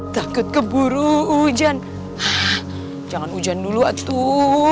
takut keburu ujan jangan hujan dulu atuh